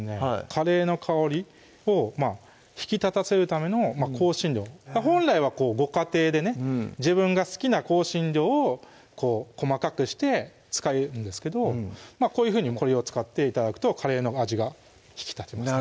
カレーの香りを引き立たせるための香辛料本来はご家庭でね自分が好きな香辛料を細かくして使うんですけどこういうふうにこれを使って頂くとカレーの味が引き立ちますね